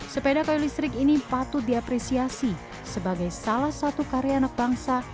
sepeda kayu listrik ini patut diapresiasi sebagai salah satu karya anak bangsa